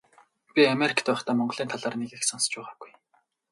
Би Америкт байхдаа Монголын талаар нэг их сонсож байгаагүй.